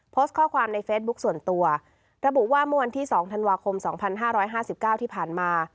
โพสต์ข้อความในเฟซบุ๊คส่วนตัวระบุว่าเมื่อวันที่๒ธันวาคม๒๕๕๙ที่ผ่านมา